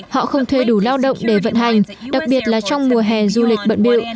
họ không thuê đủ lao động để vận hành đặc biệt là trong mùa hè du lịch bận biệu